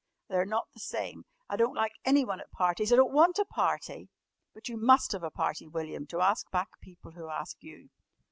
They're not the same. I don't like anyone at parties. I don't want a party!" "But you must have a party, William, to ask back people who ask you."